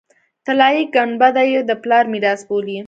طلایي ګنبده یې د پلار میراث بولي.